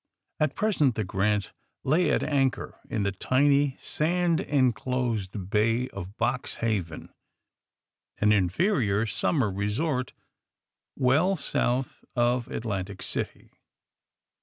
At present the ^^ Grant" lay at anchor in the tiny, sand enclosed bay of Boxhaven, an inferior summer resort well south of Atlantic City.